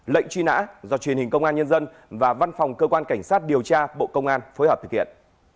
lệnh truy nã do truyền hình công an nhân dân và văn phòng cơ quan cảnh sát điều tra bộ công an phối hợp thực hiện